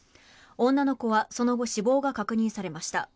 女の子はその後、死亡が確認されました。